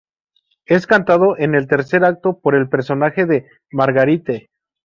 Es cantado en el tercer acto por el personaje de Marguerite.